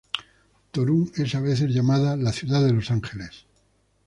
Toruń es a veces llamada "La Ciudad de los Ángeles".